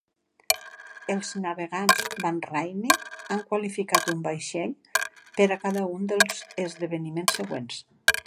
Els navegants Bahraini han qualificat un vaixell per a cada un dels esdeveniments següents.